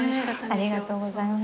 ありがとうございます。